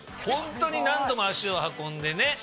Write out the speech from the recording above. ホントに何度も足を運んでね。